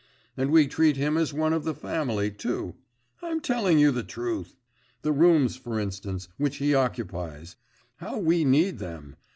And we treat him as one of the family too. I'm telling you the truth. The rooms, for instance, which he occupies how we need them!